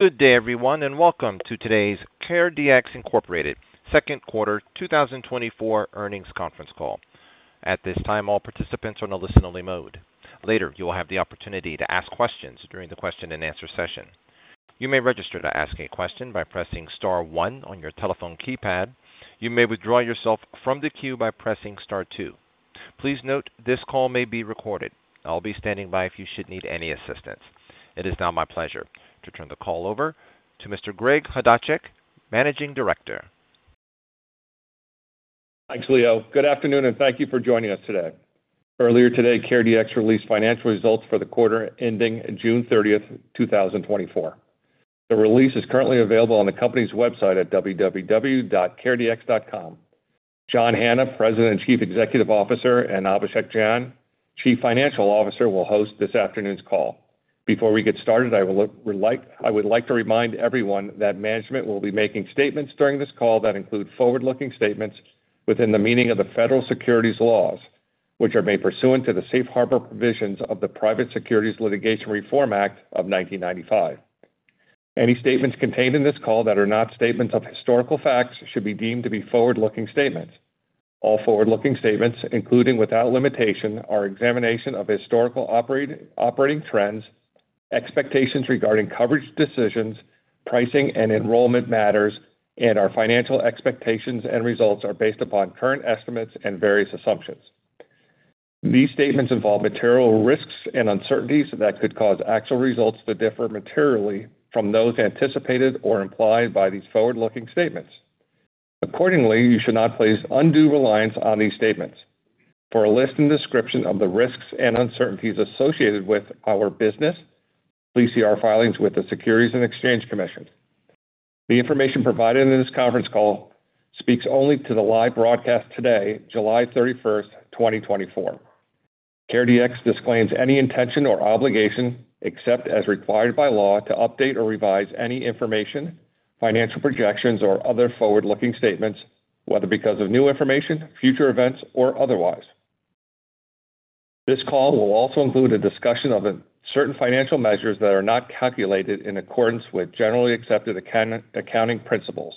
Good day, everyone, and welcome to today's CareDx Incorporated second quarter 2024 earnings conference call. At this time, all participants are on a listen-only mode. Later, you will have the opportunity to ask questions during the question-and-answer session. You may register to ask a question by pressing star one on your telephone keypad. You may withdraw yourself from the queue by pressing star two. Please note, this call may be recorded. I'll be standing by if you should need any assistance. It is now my pleasure to turn the call over to Mr. Greg Chodaczek, Managing Director. Thanks, Leo. Good afternoon, and thank you for joining us today. Earlier today, CareDx released financial results for the quarter ending June 30th, 2024. The release is currently available on the company's website at www.caredx.com. John Hanna, President and Chief Executive Officer, and Abhishek Jain, Chief Financial Officer, will host this afternoon's call. Before we get started, I would like to remind everyone that management will be making statements during this call that include forward-looking statements within the meaning of the federal securities laws, which are made pursuant to the Safe Harbor provisions of the Private Securities Litigation Reform Act of 1995. Any statements contained in this call that are not statements of historical facts should be deemed to be forward-looking statements. All forward-looking statements, including without limitation, our examination of historical operating trends, expectations regarding coverage decisions, pricing and enrollment matters, and our financial expectations and results, are based upon current estimates and various assumptions. These statements involve material risks and uncertainties that could cause actual results to differ materially from those anticipated or implied by these forward-looking statements. Accordingly, you should not place undue reliance on these statements. For a list and description of the risks and uncertainties associated with our business, please see our filings with the Securities and Exchange Commission. The information provided in this conference call speaks only to the live broadcast today, July 31st, 2024. CareDx disclaims any intention or obligation, except as required by law, to update or revise any information, financial projections, or other forward-looking statements, whether because of new information, future events, or otherwise. This call will also include a discussion of certain financial measures that are not calculated in accordance with generally accepted accounting principles.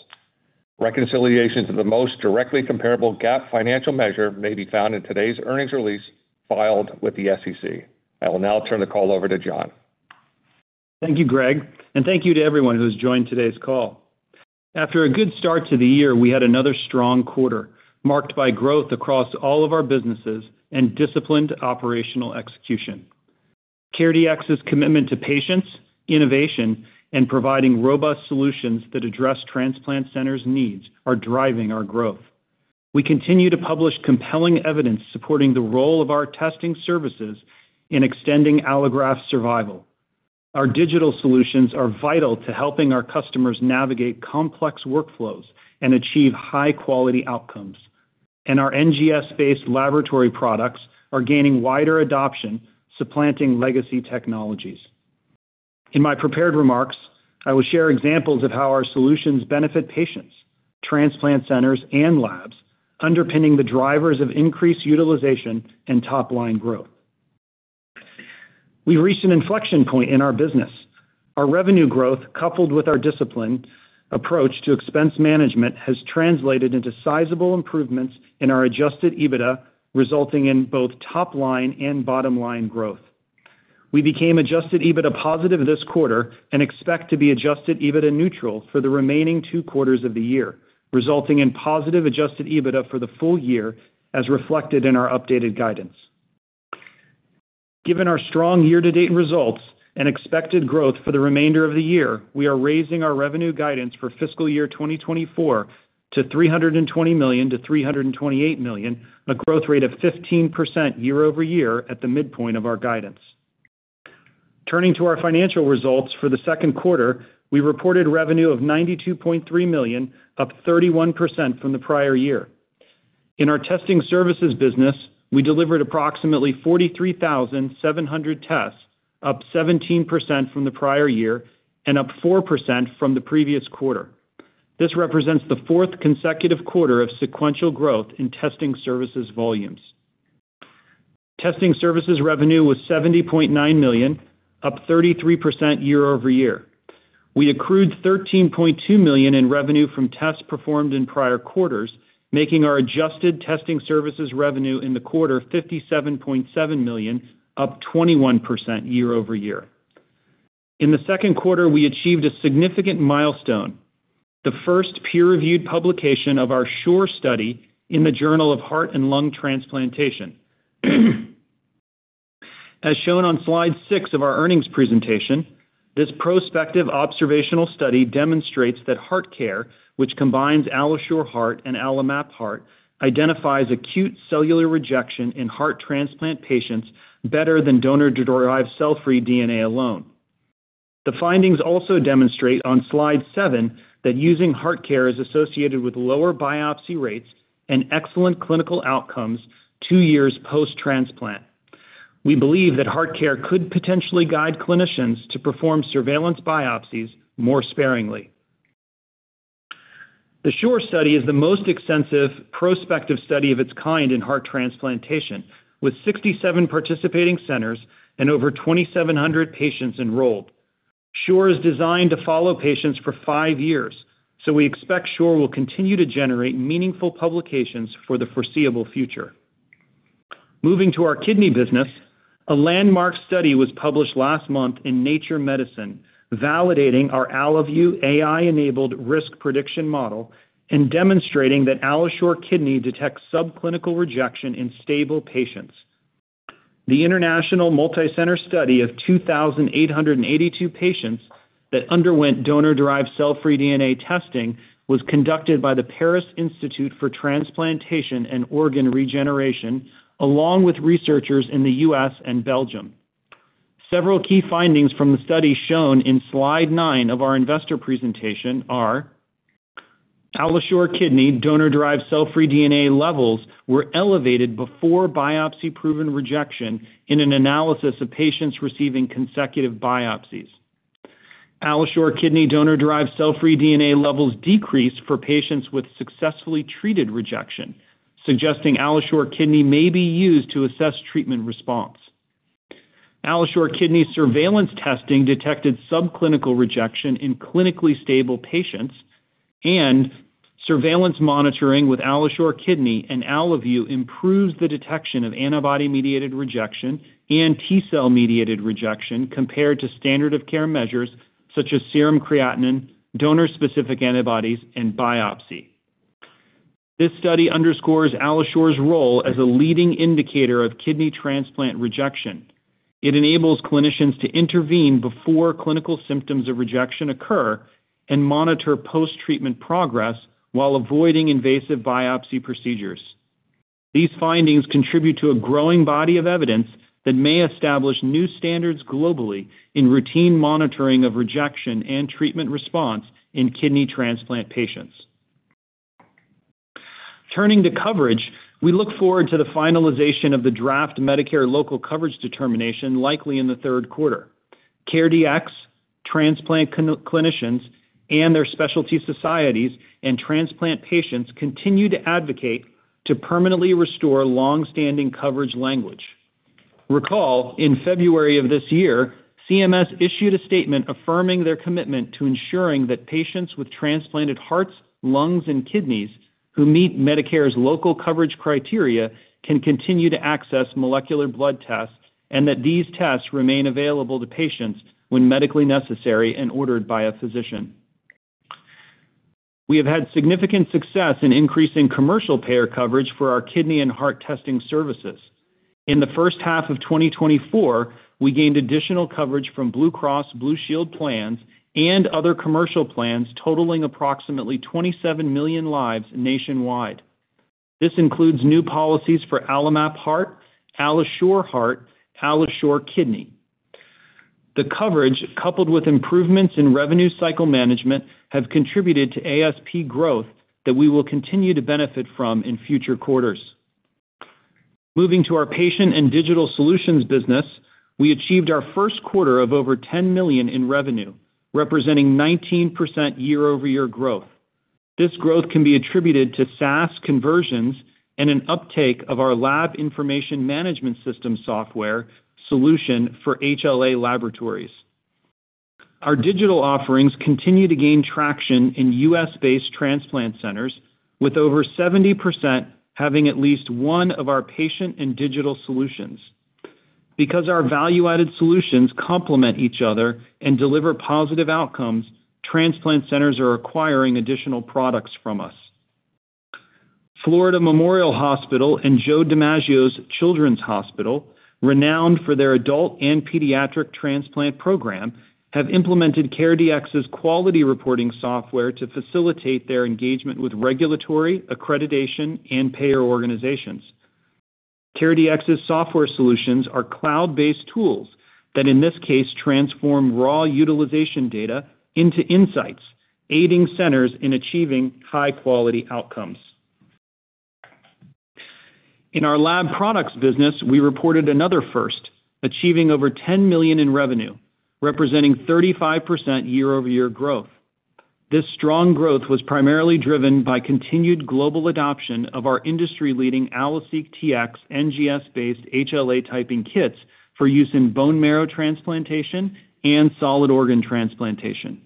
Reconciliation to the most directly comparable GAAP financial measure may be found in today's earnings release filed with the SEC. I will now turn the call over to John. Thank you, Greg, and thank you to everyone who's joined today's call. After a good start to the year, we had another strong quarter, marked by growth across all of our businesses and disciplined operational execution. CareDx's commitment to patients, innovation, and providing robust solutions that address transplant centers' needs are driving our growth. We continue to publish compelling evidence supporting the role of our testing services in extending allograft survival. Our digital solutions are vital to helping our customers navigate complex workflows and achieve high-quality outcomes. And our NGS-based laboratory products are gaining wider adoption, supplanting legacy technologies. In my prepared remarks, I will share examples of how our solutions benefit patients, transplant centers, and labs, underpinning the drivers of increased utilization and top-line growth. We've reached an inflection point in our business. Our revenue growth, coupled with our disciplined approach to expense management, has translated into sizable improvements in our adjusted EBITDA, resulting in both top-line and bottom-line growth. We became adjusted EBITDA positive this quarter and expect to be adjusted EBITDA neutral for the remaining two quarters of the year, resulting in positive adjusted EBITDA for the full year, as reflected in our updated guidance. Given our strong year-to-date results and expected growth for the remainder of the year, we are raising our revenue guidance for fiscal year 2024 to $320 million-$328 million, a growth rate of 15% year-over-year at the midpoint of our guidance. Turning to our financial results for the second quarter, we reported revenue of $92.3 million, up 31% from the prior year. In our testing services business, we delivered approximately 43,700 tests, up 17% from the prior year and up 4% from the previous quarter. This represents the fourth consecutive quarter of sequential growth in testing services volumes. Testing services revenue was $70.9 million, up 33% year-over-year. We accrued $13.2 million in revenue from tests performed in prior quarters, making our adjusted testing services revenue in the quarter $57.7 million, up 21% year-over-year. In the second quarter, we achieved a significant milestone, the first peer-reviewed publication of our SURE study in the Journal of Heart and Lung Transplantation. As shown on slide six of our earnings presentation, this prospective observational study demonstrates that HeartCare, which combines AlloSure Heart and AlloMap Heart, identifies acute cellular rejection in heart transplant patients better than donor-derived cell-free DNA alone. The findings also demonstrate on slide seven, that using HeartCare is associated with lower biopsy rates and excellent clinical outcomes two years post-transplant. We believe that HeartCare could potentially guide clinicians to perform surveillance biopsies more sparingly. The SURE study is the most extensive prospective study of its kind in heart transplantation, with 67 participating centers and over 2,700 patients enrolled. SURE is designed to follow patients for five years, so we expect SURE will continue to generate meaningful publications for the foreseeable future. Moving to our kidney business, a landmark study was published last month in Nature Medicine, validating our AlloView AI-enabled risk prediction model and demonstrating that AlloSure Kidney detects subclinical rejection in stable patients. The international multicenter study of 2,882 patients that underwent donor-derived cell-free DNA testing was conducted by the Paris Institute for Transplantation and Organ Regeneration, along with researchers in the U.S. and Belgium. Several key findings from the study shown in Slide 9 of our investor presentation are, AlloSure Kidney donor-derived cell-free DNA levels were elevated before biopsy-proven rejection in an analysis of patients receiving consecutive biopsies. AlloSure Kidney donor-derived cell-free DNA levels decreased for patients with successfully treated rejection, suggesting AlloSure Kidney may be used to assess treatment response. AlloSure Kidney surveillance testing detected subclinical rejection in clinically stable patients, and surveillance monitoring with AlloSure Kidney and AlloView improves the detection of antibody-mediated rejection and T-cell-mediated rejection compared to standard of care measures such as serum creatinine, donor-specific antibodies, and biopsy. This study underscores AlloSure's role as a leading indicator of kidney transplant rejection. It enables clinicians to intervene before clinical symptoms of rejection occur and monitor post-treatment progress while avoiding invasive biopsy procedures. These findings contribute to a growing body of evidence that may establish new standards globally in routine monitoring of rejection and treatment response in kidney transplant patients. Turning to coverage, we look forward to the finalization of the draft Medicare Local Coverage Determination, likely in the third quarter. CareDx, transplant clinicians, and their specialty societies, and transplant patients continue to advocate to permanently restore long-standing coverage language. Recall, in February of this year, CMS issued a statement affirming their commitment to ensuring that patients with transplanted hearts, lungs, and kidneys who meet Medicare's local coverage criteria can continue to access molecular blood tests, and that these tests remain available to patients when medically necessary and ordered by a physician. We have had significant success in increasing commercial payer coverage for our kidney and heart testing services. In the first half of 2024, we gained additional coverage from Blue Cross Blue Shield plans and other commercial plans, totaling approximately 27 million lives nationwide. This includes new policies for AlloMap Heart, AlloSure Heart, AlloSure Kidney. The coverage, coupled with improvements in revenue cycle management, have contributed to ASP growth that we will continue to benefit from in future quarters. Moving to our patient and digital solutions business, we achieved our first quarter of over $10 million in revenue, representing 19% year-over-year growth. This growth can be attributed to SaaS conversions and an uptake of our lab information management system software solution for HLA laboratories. Our digital offerings continue to gain traction in U.S.-based transplant centers, with over 70% having at least one of our patient and digital solutions. Because our value-added solutions complement each other and deliver positive outcomes, transplant centers are acquiring additional products from us. Florida Memorial Hospital and Joe DiMaggio Children's Hospital, renowned for their adult and pediatric transplant program, have implemented CareDx's quality reporting software to facilitate their engagement with regulatory, accreditation, and payer organizations. CareDx's software solutions are cloud-based tools that, in this case, transform raw utilization data into insights, aiding centers in achieving high-quality outcomes. In our lab products business, we reported another first, achieving over $10 million in revenue, representing 35% year-over-year growth. This strong growth was primarily driven by continued global adoption of our industry-leading AlloSeq Tx NGS-based HLA typing kits for use in bone marrow transplantation and solid organ transplantation.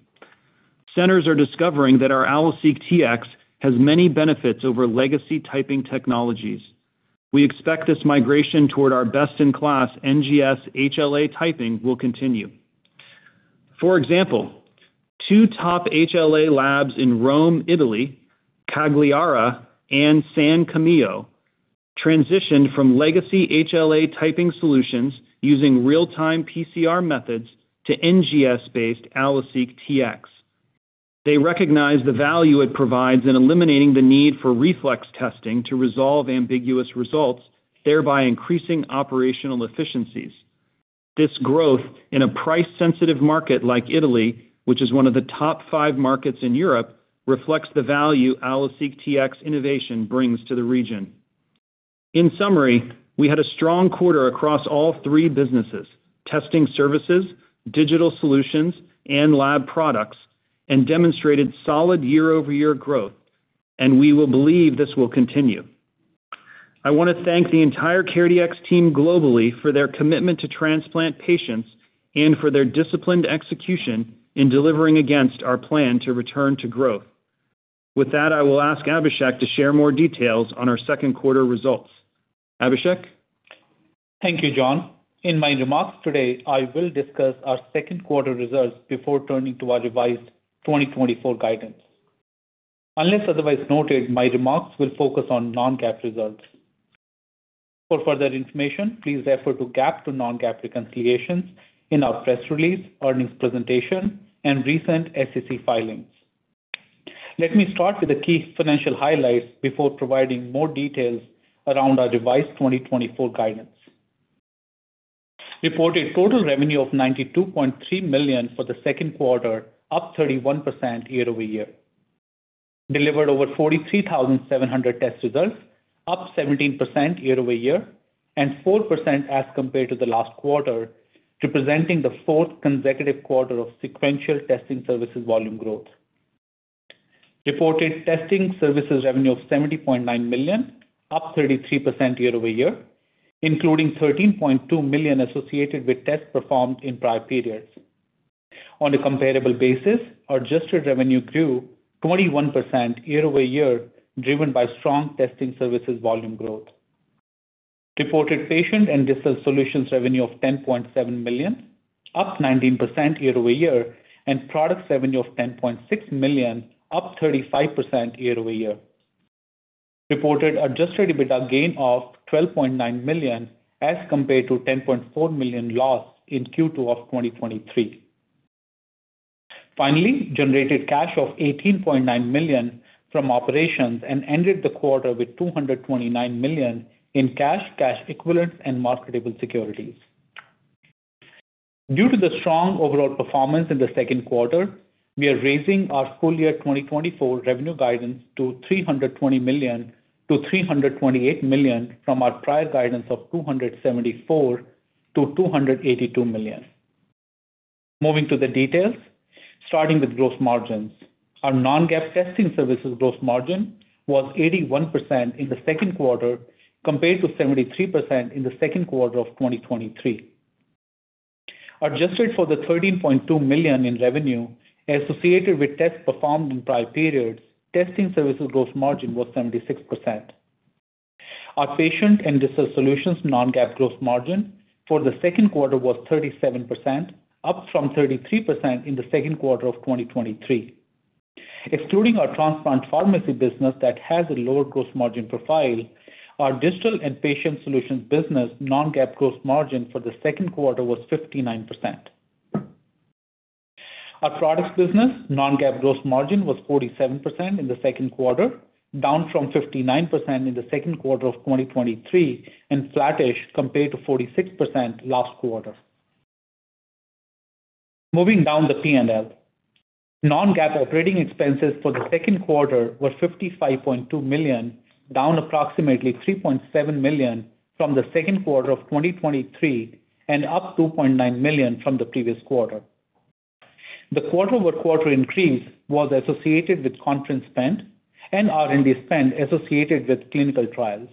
Centers are discovering that our AlloSeq Tx has many benefits over legacy typing technologies. We expect this migration toward our best-in-class NGS HLA typing will continue. For example, two top HLA labs in Rome, Italy, Cagliari and San Camillo, transitioned from legacy HLA typing solutions using Real-time PCR methods to NGS-based AlloSeq Tx. They recognize the value it provides in eliminating the need for reflex testing to resolve ambiguous results, thereby increasing operational efficiencies. This growth in a price-sensitive market like Italy, which is one of the top five markets in Europe, reflects the value AlloSeq Tx innovation brings to the region.… In summary, we had a strong quarter across all three businesses, testing services, digital solutions, and lab products, and demonstrated solid year-over-year growth, and we will believe this will continue. I want to thank the entire CareDx team globally for their commitment to transplant patients and for their disciplined execution in delivering against our plan to return to growth. With that, I will ask Abhishek to share more details on our second quarter results. Abhishek? Thank you, John. In my remarks today, I will discuss our second quarter results before turning to our revised 2024 guidance. Unless otherwise noted, my remarks will focus on non-GAAP results. For further information, please refer to GAAP to non-GAAP reconciliations in our press release, earnings presentation, and recent SEC filings. Let me start with the key financial highlights before providing more details around our revised 2024 guidance. Reported total revenue of $92.3 million for the second quarter, up 31% year-over-year. Delivered over 43,700 test results, up 17% year-over-year, and 4% as compared to the last quarter, representing the fourth consecutive quarter of sequential testing services volume growth. Reported testing services revenue of $70.9 million, up 33% year-over-year, including $13.2 million associated with tests performed in prior periods. On a comparable basis, our adjusted revenue grew 21% year-over-year, driven by strong testing services volume growth. Reported patient and digital solutions revenue of $10.7 million, up 19% year-over-year, and product revenue of $10.6 million, up 35% year-over-year. Reported adjusted EBITDA gain of $12.9 million, as compared to $10.4 million loss in Q2 of 2023. Finally, generated cash of $18.9 million from operations and ended the quarter with $229 million in cash, cash equivalents, and marketable securities. Due to the strong overall performance in the second quarter, we are raising our full year 2024 revenue guidance to $320 million-$328 million from our prior guidance of $274 million-$282 million. Moving to the details, starting with gross margins. Our non-GAAP testing services gross margin was 81% in the second quarter, compared to 73% in the second quarter of 2023. Adjusted for the $13.2 million in revenue associated with tests performed in prior periods, testing services gross margin was 76%. Our patient and digital solutions non-GAAP gross margin for the second quarter was 37%, up from 33% in the second quarter of 2023. Excluding our transplant pharmacy business that has a lower gross margin profile, our digital and patient solutions business non-GAAP gross margin for the second quarter was 59%. Our products business non-GAAP gross margin was 47% in the second quarter, down from 59% in the second quarter of 2023 and flattish compared to 46% last quarter. Moving down the P&L. Non-GAAP operating expenses for the second quarter were $55.2 million, down approximately $3.7 million from the second quarter of 2023 and up $2.9 million from the previous quarter. The quarter-over-quarter increase was associated with conference spend and R&D spend associated with clinical trials.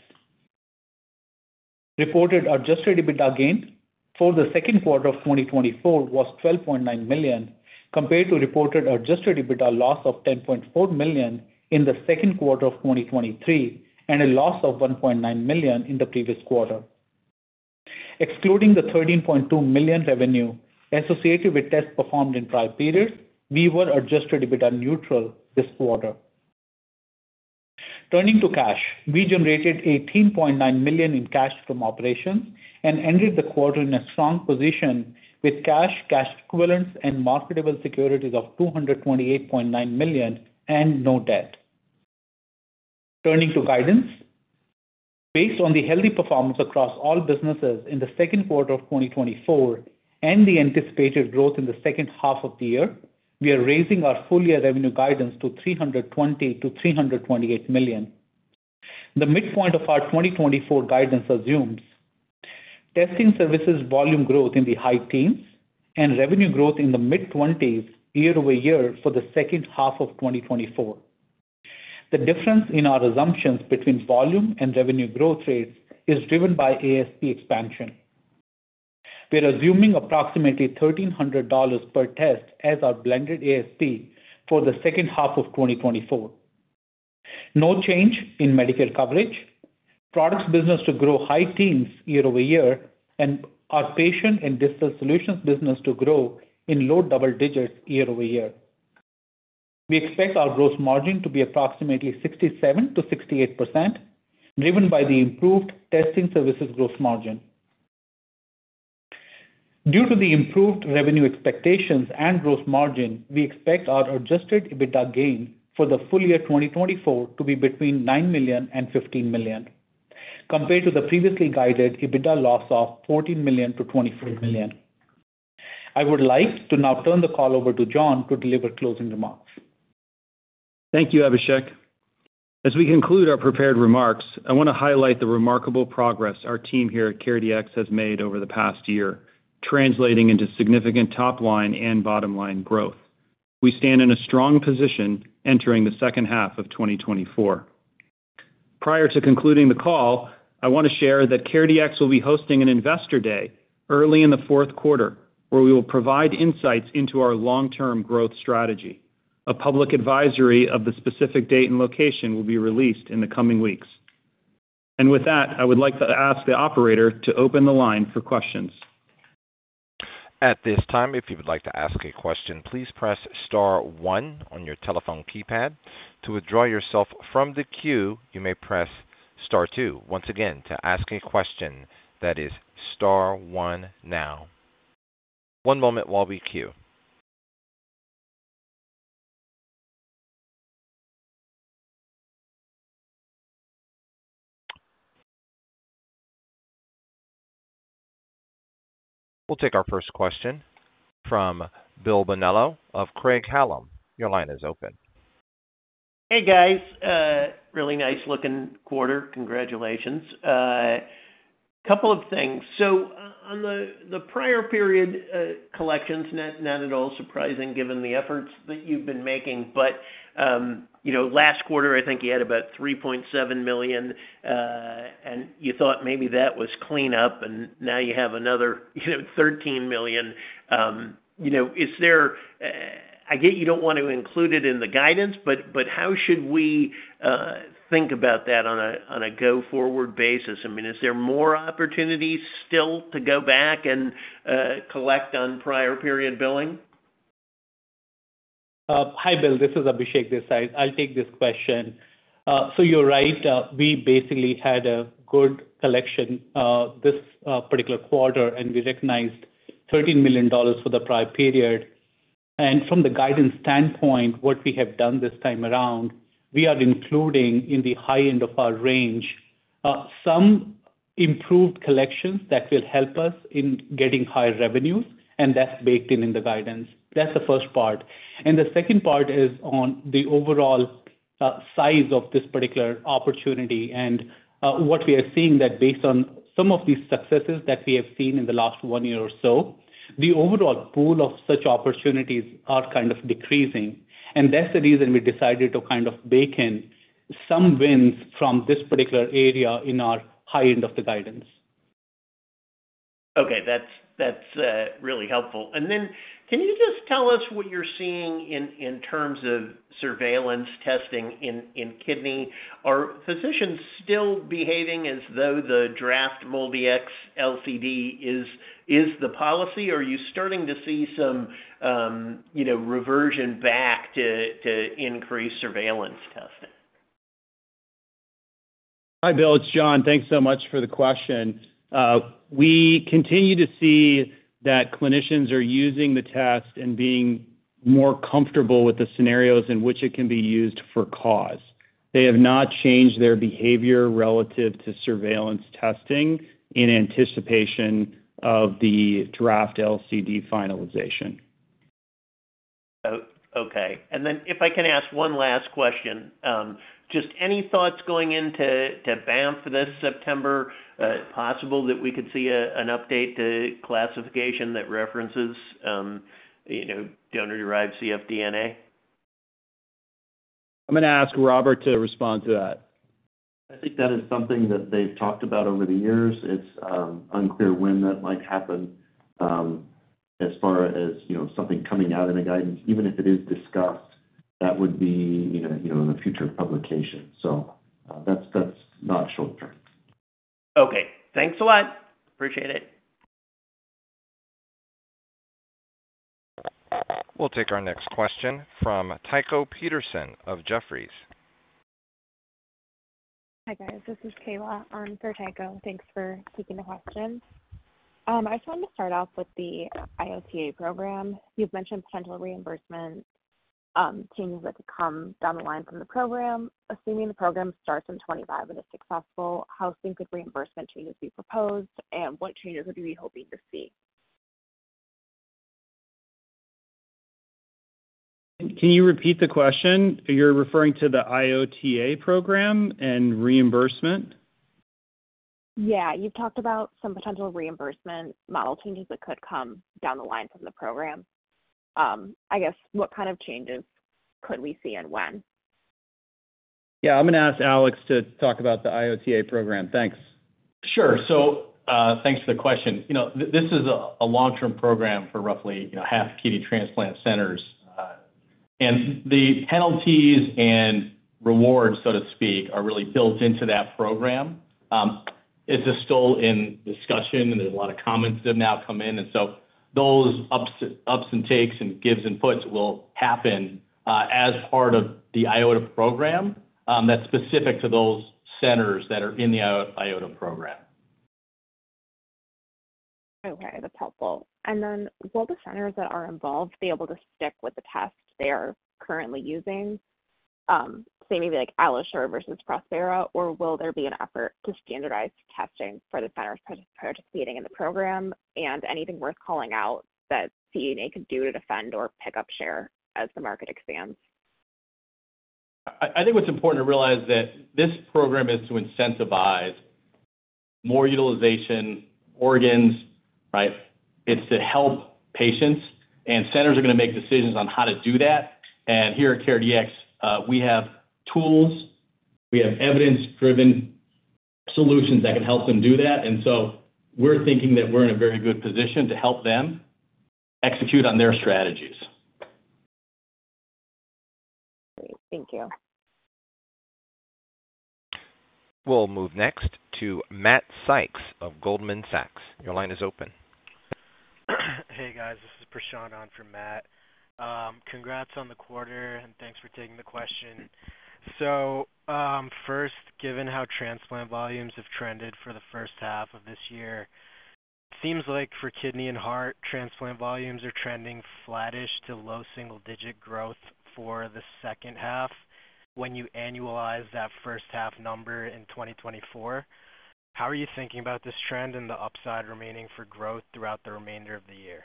Reported adjusted EBITDA gain for the second quarter of 2024 was $12.9 million, compared to reported adjusted EBITDA loss of $10.4 million in the second quarter of 2023, and a loss of $1.9 million in the previous quarter. Excluding the $13.2 million revenue associated with tests performed in prior periods, we were adjusted EBITDA neutral this quarter. Turning to cash, we generated $18.9 million in cash from operations and ended the quarter in a strong position with cash, cash equivalents, and marketable securities of $228.9 million and no debt. Turning to guidance, based on the healthy performance across all businesses in the second quarter of 2024 and the anticipated growth in the second half of the year, we are raising our full year revenue guidance to $320 million-$328 million. The midpoint of our 2024 guidance assumes testing services volume growth in the high teens and revenue growth in the mid-twenties year-over-year for the second half of 2024. The difference in our assumptions between volume and revenue growth rates is driven by ASP expansion. We are assuming approximately $1,300 per test as our blended ASP for the second half of 2024. No change in medical coverage. Products business to grow high teens year-over-year, and our patient and digital solutions business to grow in low double digits year-over-year. We expect our gross margin to be approximately 67%-68%, driven by the improved testing services gross margin. Due to the improved revenue expectations and gross margin, we expect our adjusted EBITDA gain for the full year 2024 to be between $9 million and $15 million, compared to the previously guided EBITDA loss of $14 million-$24 million. I would like to now turn the call over to John to deliver closing remarks.... Thank you, Abhishek. As we conclude our prepared remarks, I want to highlight the remarkable progress our team here at CareDx has made over the past year, translating into significant top-line and bottom-line growth. We stand in a strong position entering the second half of 2024. Prior to concluding the call, I want to share that CareDx will be hosting an investor day early in the fourth quarter, where we will provide insights into our long-term growth strategy. A public advisory of the specific date and location will be released in the coming weeks. With that, I would like to ask the operator to open the line for questions. At this time, if you would like to ask a question, please press star one on your telephone keypad. To withdraw yourself from the queue, you may press star two. Once again, to ask a question, that is star one now. One moment while we queue. We'll take our first question from Bill Bonello of Craig-Hallum. Your line is open. Hey, guys. Really nice-looking quarter. Congratulations. Couple of things. So on the prior period collections, not at all surprising given the efforts that you've been making, but you know, last quarter, I think you had about $3.7 million, and you thought maybe that was clean up, and now you have another, you know, $13 million. You know, is there... I get you don't want to include it in the guidance, but how should we think about that on a go-forward basis? I mean, is there more opportunities still to go back and collect on prior period billing? Hi, Bill, this is Abhishek Jain. I'll take this question. So you're right, we basically had a good collection, this particular quarter, and we recognized $13 million for the prior period. And from the guidance standpoint, what we have done this time around, we are including in the high end of our range, some improved collections that will help us in getting higher revenues, and that's baked in in the guidance. That's the first part. The second part is on the overall size of this particular opportunity and what we are seeing that based on some of these successes that we have seen in the last one year or so, the overall pool of such opportunities are kind of decreasing, and that's the reason we decided to kind of bake in some wins from this particular area in our high end of the guidance. Okay, that's really helpful. And then, can you just tell us what you're seeing in terms of surveillance testing in kidney? Are physicians still behaving as though the draft MolDX LCD is the policy, or are you starting to see some, you know, reversion back to increased surveillance testing? Hi, Bill. It's John. Thanks so much for the question. We continue to see that clinicians are using the test and being more comfortable with the scenarios in which it can be used for cause. They have not changed their behavior relative to surveillance testing in anticipation of the draft LCD finalization. Oh, okay. And then if I can ask one last question. Just any thoughts going into Banff this September, possible that we could see an update to classification that references, you know, the donor-derived cfDNA? I'm going to ask Robert to respond to that. I think that is something that they've talked about over the years. It's unclear when that might happen, as far as, you know, something coming out in a guidance. Even if it is discussed, that would be, you know, you know, in a future publication. So, that's, that's not short term. Okay. Thanks a lot. Appreciate it. We'll take our next question from Tycho Peterson of Jefferies. Hi, guys. This is Kayla for Tycho. Thanks for taking the question. I just wanted to start off with the IOTA program. You've mentioned potential reimbursement changes that could come down the line from the program. Assuming the program starts in 2025 and is successful, how soon could reimbursement changes be proposed, and what changes would you be hoping to see? Can you repeat the question? You're referring to the IOTA program and reimbursement? Yeah. You've talked about some potential reimbursement model changes that could come down the line from the program. I guess, what kind of changes could we see and when? Yeah, I'm going to ask Alex to talk about the IOTA program. Thanks. Sure. So, thanks for the question. You know, this is a long-term program for roughly half the kidney transplant centers, and the penalties and rewards, so to speak, are really built into that program. It's still in discussion, and there's a lot of comments that now come in, and so those ups, ups and takes, and gives and puts will happen as part of the IOTA program, that's specific to those centers that are in the IOTA program. Okay, that's helpful. Then will the centers that are involved be able to stick with the test they are currently using, say maybe like AlloSure versus Prospera, or will there be an effort to standardize testing for the centers participating in the program? And anything worth calling out that CareDx could do to defend or pick up share as the market expands?... I think what's important to realize that this program is to incentivize more utilization organs, right? It's to help patients, and centers are gonna make decisions on how to do that. And here at CareDx, we have tools, we have evidence-driven solutions that can help them do that. And so we're thinking that we're in a very good position to help them execute on their strategies. Great. Thank you. We'll move next to Matt Sykes of Goldman Sachs. Your line is open. Hey, guys, this is Prashant on for Matt. Congrats on the quarter, and thanks for taking the question. So, first, given how transplant volumes have trended for the first half of this year, seems like for kidney and heart, transplant volumes are trending flattish to low single-digit growth for the second half when you annualize that first half number in 2024. How are you thinking about this trend and the upside remaining for growth throughout the remainder of the year?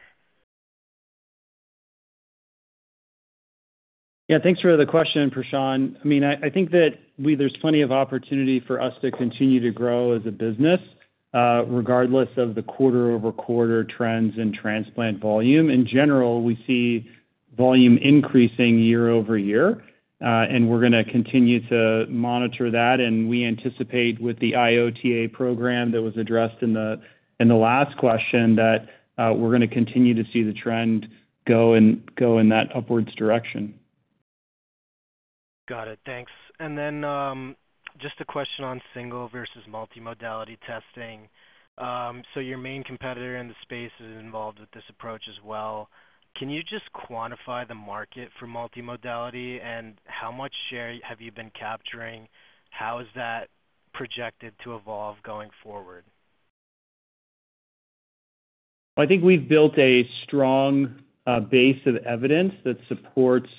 Yeah, thanks for the question, Prashant. I mean, I think that we, there's plenty of opportunity for us to continue to grow as a business, regardless of the quarter-over-quarter trends in transplant volume. In general, we see volume increasing year-over-year, and we're gonna continue to monitor that. And we anticipate with the IOTA program that was addressed in the last question, that, we're gonna continue to see the trend go in that upwards direction. Got it. Thanks. And then, just a question on single versus multimodality testing. So your main competitor in the space is involved with this approach as well. Can you just quantify the market for multimodality, and how much share have you been capturing? How is that projected to evolve going forward? I think we've built a strong, base of evidence that supports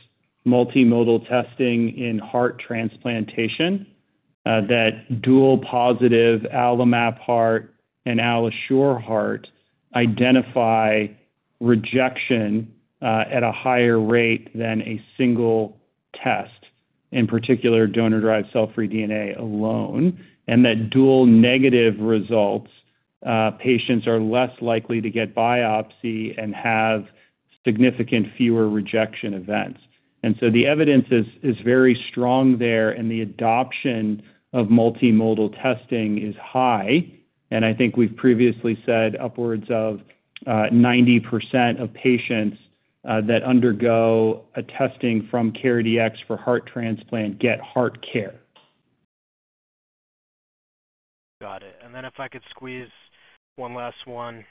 multimodal testing in heart transplantation, that dual positive AlloMap Heart and AlloSure Heart identify rejection, at a higher rate than a single test, in particular, donor-derived cell-free DNA alone, and that dual negative results, patients are less likely to get biopsy and have significantly fewer rejection events. And so the evidence is very strong there, and the adoption of multimodal testing is high, and I think we've previously said upwards of 90% of patients that undergo testing from CareDx for heart transplant get HeartCare. Got it. And then if I could squeeze one last one.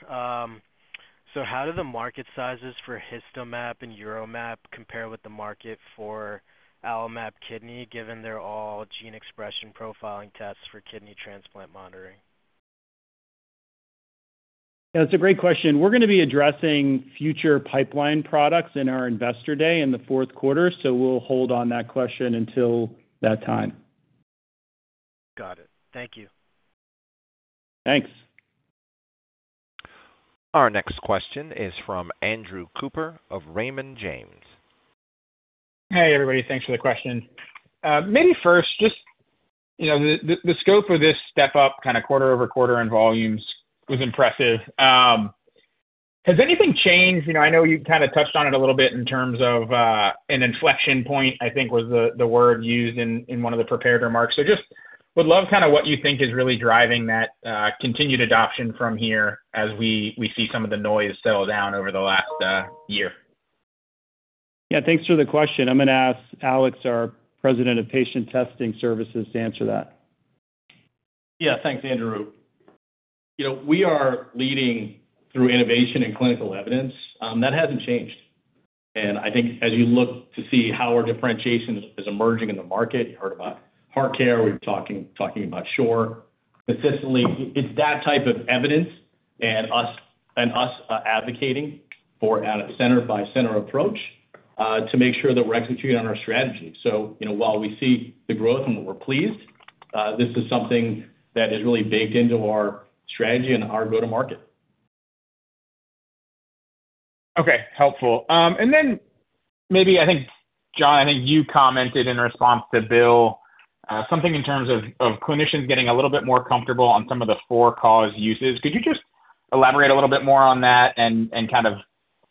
So how do the market sizes for HistoMap and UroMap compare with the market for AlloMap Kidney, given they're all gene expression profiling tests for kidney transplant monitoring? Yeah, it's a great question. We're gonna be addressing future pipeline products in our Investor Day in the fourth quarter, so we'll hold on that question until that time. Got it. Thank you. Thanks. Our next question is from Andrew Cooper of Raymond James. Hey, everybody. Thanks for the question. Maybe first, just, you know, the scope of this step-up, kind of quarter-over-quarter in volumes was impressive. Has anything changed? You know, I know you've kind of touched on it a little bit in terms of an inflection point, I think, was the word used in one of the prepared remarks. So just would love kind of what you think is really driving that continued adoption from here as we see some of the noise settle down over the last year. Yeah, thanks for the question. I'm gonna ask Alex, our president of patient testing services, to answer that. Yeah. Thanks, Andrew. You know, we are leading through innovation and clinical evidence. That hasn't changed. And I think as you look to see how our differentiation is emerging in the market, you heard about HeartCare, we've talking about AlloSure. Consistently, it's that type of evidence and us advocating for a center-by-center approach to make sure that we're executing on our strategy. So, you know, while we see the growth, and we're pleased, this is something that is really baked into our strategy and our go-to-market. Okay, helpful. And then maybe I think, John, I think you commented in response to Bill, something in terms of, of clinicians getting a little bit more comfortable on some of the for-cause uses. Could you just elaborate a little bit more on that? And, and kind of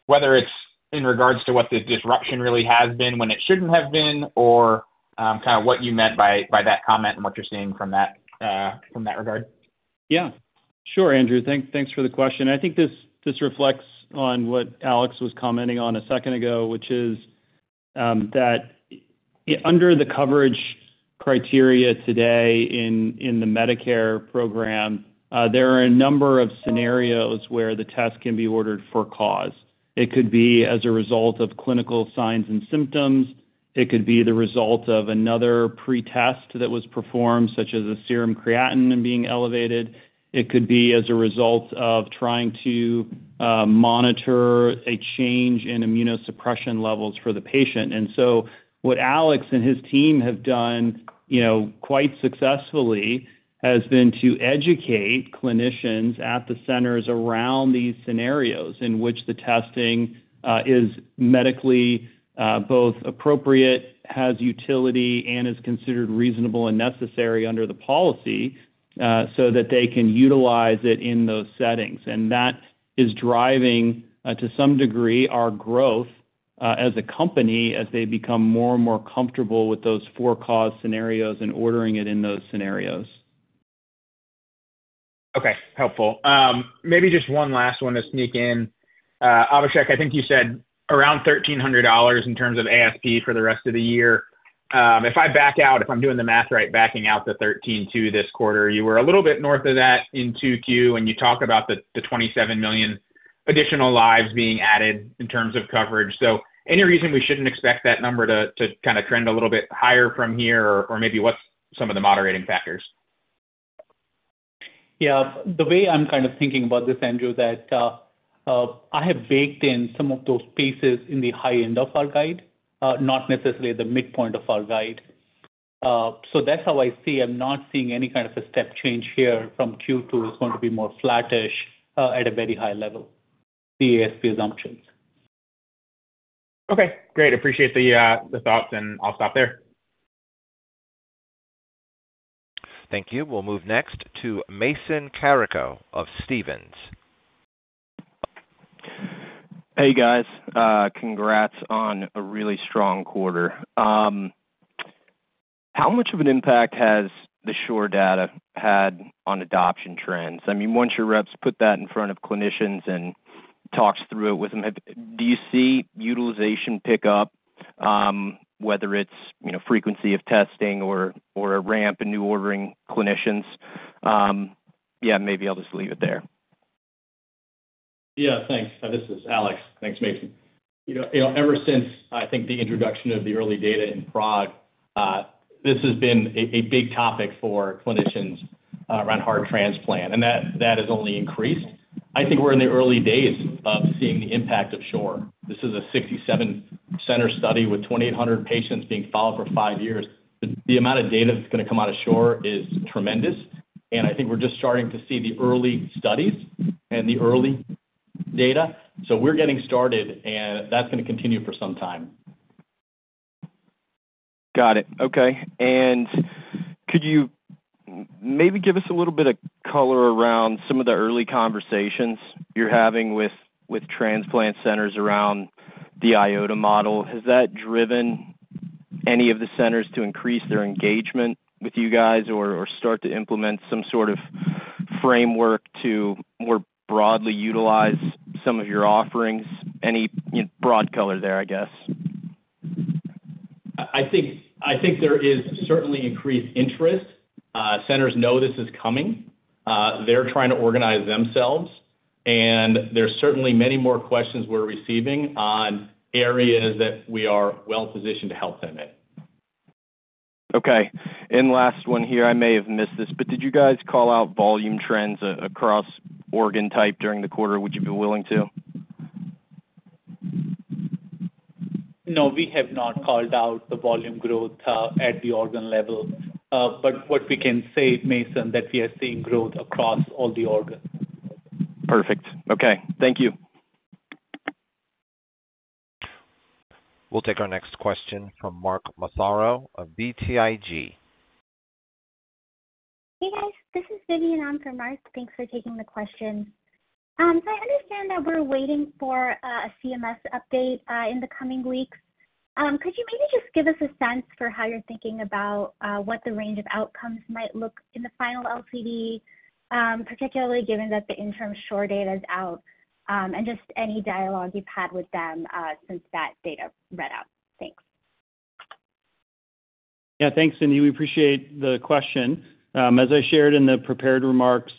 whether it's in regards to what the disruption really has been, when it shouldn't have been, or, kind of what you meant by, by that comment and what you're seeing from that, from that regard. Yeah. Sure, Andrew. Thanks for the question. I think this, this reflects on what Alex was commenting on a second ago, which is, that under the coverage criteria today in, in the Medicare program, there are a number of scenarios where the test can be ordered for cause. It could be as a result of clinical signs and symptoms. It could be the result of another pretest that was performed, such as a serum creatinine being elevated. It could be as a result of trying to, monitor a change in immunosuppression levels for the patient. So what Alex and his team have done, you know, quite successfully, has been to educate clinicians at the centers around these scenarios in which the testing is medically both appropriate, has utility, and is considered reasonable and necessary under the policy, so that they can utilize it in those settings. That is driving, to some degree, our growth as a company, as they become more and more comfortable with those for-cause scenarios and ordering it in those scenarios. Okay, helpful. Maybe just one last one to sneak in. Abhishek, I think you said around $1,300 in terms of ASP for the rest of the year. If I back out, if I'm doing the math right, backing out the $13.2 million this quarter, you were a little bit north of that in 2Q, and you talked about the 27 million additional lives being added in terms of coverage. So any reason we shouldn't expect that number to kind of trend a little bit higher from here, or maybe what's some of the moderating factors? Yeah, the way I'm kind of thinking about this, Andrew, that I have baked in some of those pieces in the high end of our guide, not necessarily the midpoint of our guide. So that's how I see. I'm not seeing any kind of a step change here from Q2. It's going to be more flattish, at a very high level, the ASP assumptions. Okay, great. Appreciate the, the thoughts, and I'll stop there. Thank you. We'll move next to Mason Carrico of Stephens. Hey, guys. Congrats on a really strong quarter. How much of an impact has the SURE data had on adoption trends? I mean, once your reps put that in front of clinicians and talks through it with them, do you see utilization pick up, whether it's, you know, frequency of testing or, or a ramp in new ordering clinicians? Yeah, maybe I'll just leave it there. Yeah, thanks. This is Alex. Thanks, Mason. You know, ever since, I think the introduction of the early data in Prague, this has been a big topic for clinicians around heart transplant, and that has only increased. I think we're in the early days of seeing the impact of SURE. This is a 67-center study with 2,800 patients being followed for five years. The amount of data that's gonna come out of SURE is tremendous, and I think we're just starting to see the early studies and the early data. So we're getting started, and that's gonna continue for some time. Got it. Okay. Could you maybe give us a little bit of color around some of the early conversations you're having with transplant centers around the IOTA model? Has that driven any of the centers to increase their engagement with you guys, or start to implement some sort of framework to more broadly utilize some of your offerings? Any broad color there, I guess. I think there is certainly increased interest. Centers know this is coming. They're trying to organize themselves, and there's certainly many more questions we're receiving on areas that we are well positioned to help them in. Okay. And last one here, I may have missed this, but did you guys call out volume trends across organ type during the quarter? Would you be willing to? No, we have not called out the volume growth at the organ level. But what we can say, Mason, that we are seeing growth across all the organs. Perfect. Okay. Thank you. We'll take our next question from Mark Massaro of BTIG. Hey, guys, this is Vidyun in for Mark. Thanks for taking the question. So I understand that we're waiting for a CMS update in the coming weeks. Could you maybe just give us a sense for how you're thinking about what the range of outcomes might look like in the final LCD, particularly given that the interim SURE data is out, and just any dialogue you've had with them since that data read out? Thanks. Yeah, thanks, Vidyun. We appreciate the question. As I shared in the prepared remarks,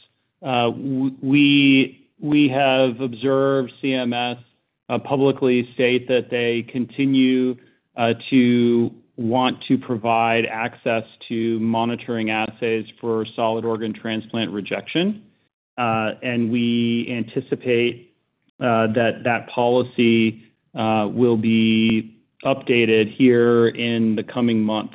we have observed CMS publicly state that they continue to want to provide access to monitoring assays for solid organ transplant rejection, and we anticipate that policy will be updated here in the coming month,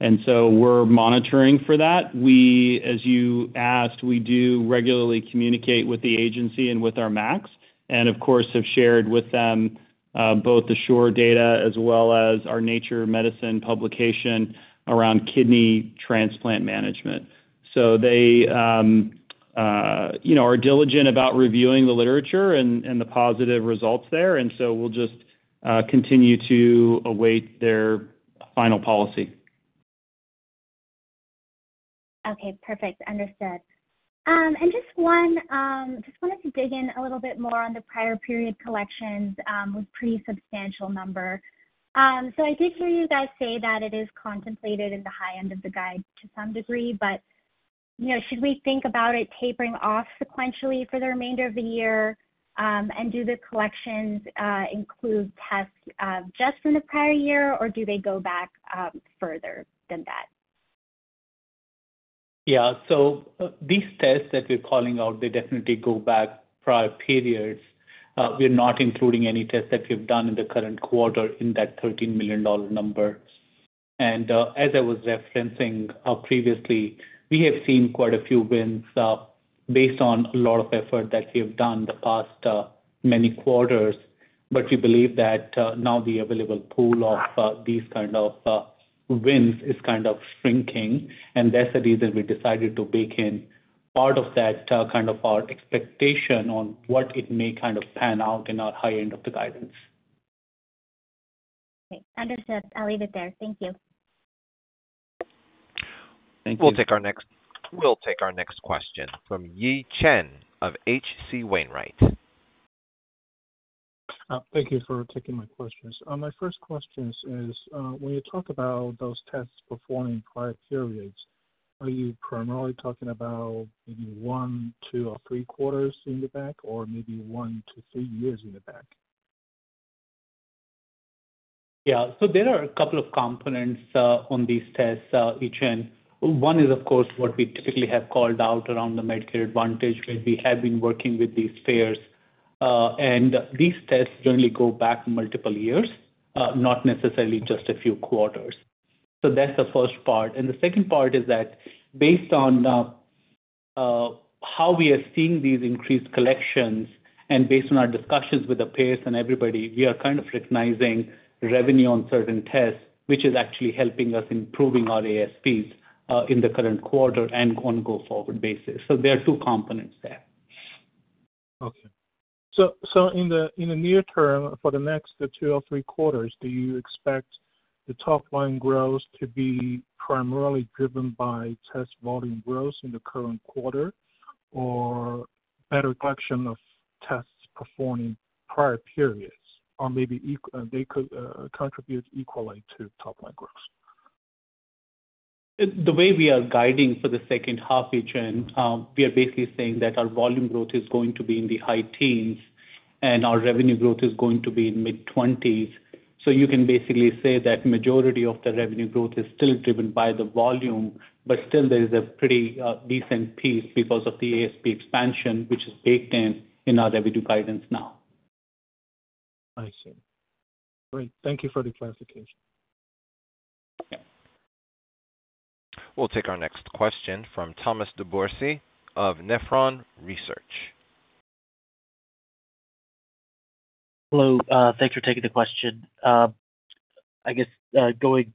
and so we're monitoring for that. We, as you asked, we do regularly communicate with the agency and with our Macs, and of course, have shared with them both the SURE data as well as our Nature Medicine publication around kidney transplant management. So they, you know, are diligent about reviewing the literature and the positive results there, and so we'll just continue to await their final policy. Okay, perfect. Understood. And just one, just wanted to dig in a little bit more on the prior period collections, a pretty substantial number. So I did hear you guys say that it is contemplated in the high end of the guide to some degree, but, you know, should we think about it tapering off sequentially for the remainder of the year? And do the collections include tests just from the prior year, or do they go back further than that? Yeah. So these tests that we're calling out, they definitely go back prior periods. We're not including any tests that we've done in the current quarter in that $13 million number. And, as I was referencing, previously, we have seen quite a few wins, based on a lot of effort that we have done the past, many quarters. But we believe that, now the available pool of, these kind of, wins is kind of shrinking, and that's the reason we decided to bake in part of that, kind of our expectation on what it may kind of pan out in our high end of the guidance. Okay, understood. I'll leave it there. Thank you. Thank you. We'll take our next question from Yi Chen of H.C. Wainwright. Thank you for taking my questions. My first questions is, when you talk about those tests performing prior periods, are you primarily talking about maybe one, two, or three quarters in the back, or maybe one to three years in the back? Yeah. So there are a couple of components, on these tests, Yi Chen. One is, of course, what we typically have called out around the Medicare Advantage, where we have been working with these payers. And these tests generally go back multiple years, not necessarily just a few quarters. So that's the first part. And the second part is that based on, how we are seeing these increased collections and based on our discussions with the payers and everybody, we are kind of recognizing revenue on certain tests, which is actually helping us improving our ASPs, in the current quarter and on go forward basis. So there are two components there. Okay. So in the near term, for the next two or three quarters, do you expect the top line growth to be primarily driven by test volume growth in the current quarter, or better collection of tests performing prior periods? Or maybe they could contribute equally to top line growth. The way we are guiding for the second half, Yi Chen, we are basically saying that our volume growth is going to be in the high teens, and our revenue growth is going to be in mid-twenties. So you can basically say that majority of the revenue growth is still driven by the volume, but still there is a pretty decent piece because of the ASP expansion, which is baked in, in our revenue guidance now. I see. Great. Thank you for the clarification. Okay. We'll take our next question from Thomas DeBourcy of Nephron Research. Hello, thanks for taking the question. I guess, going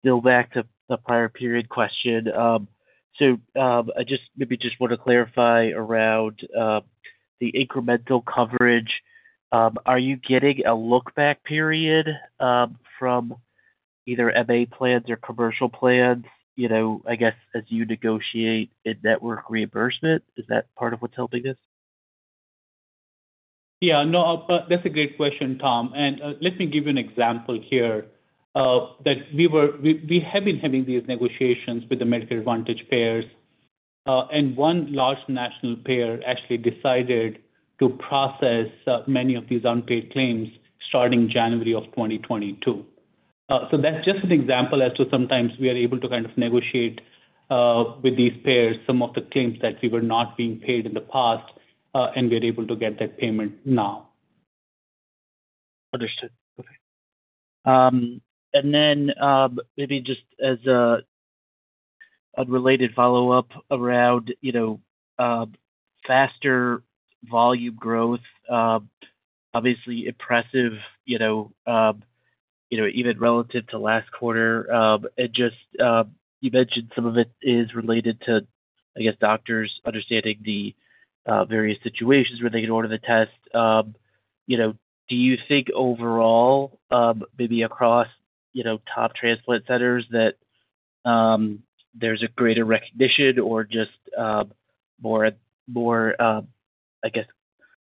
still back to the prior period question. So, I just, maybe just want to clarify around the incremental coverage. Are you getting a look back period from either MA plans or commercial plans, you know, I guess, as you negotiate a network reimbursement? Is that part of what's helping this? Yeah, no, that's a great question, Tom, and, let me give you an example here. That we have been having these negotiations with the Medicare Advantage payers, and one large national payer actually decided to process many of these unpaid claims starting January of 2022. So that's just an example as to sometimes we are able to kind of negotiate with these payers, some of the claims that we were not being paid in the past, and we're able to get that payment now. Understood. Okay. And then, maybe just as a related follow-up around, you know, faster volume growth, obviously impressive, you know, even relative to last quarter. And just, you mentioned some of it is related to, I guess, doctors understanding the various situations where they can order the test. You know, do you think overall, maybe across, you know, top transplant centers, that there's a greater recognition or just more, I guess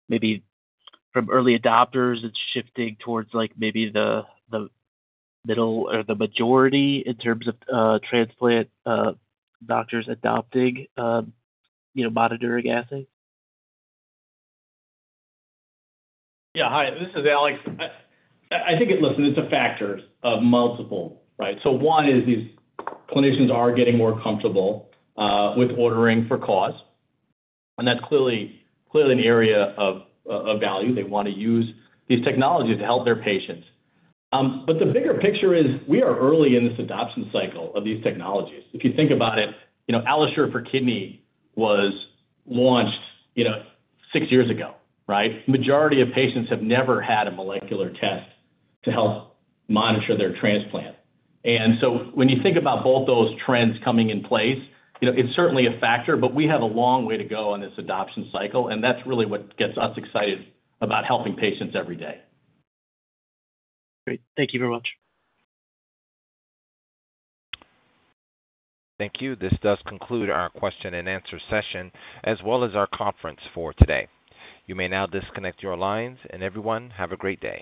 maybe from early adopters, it's shifting towards like maybe the middle or the majority in terms of transplant doctors adopting, you know, monitoring assay? Yeah. Hi, this is Alex. I think it... Listen, it's a factors of multiple, right? So one is these clinicians are getting more comfortable with ordering for cause, and that's clearly, clearly an area of value. They want to use these technologies to help their patients. But the bigger picture is we are early in this adoption cycle of these technologies. If you think about it, you know, AlloSure for Kidney was launched, you know, six years ago, right? Majority of patients have never had a molecular test to help monitor their transplant. And so when you think about both those trends coming in place, you know, it's certainly a factor, but we have a long way to go on this adoption cycle, and that's really what gets us excited about helping patients every day. Great. Thank you very much. Thank you. This does conclude our question and answer session, as well as our conference for today. You may now disconnect your lines, and everyone, have a great day.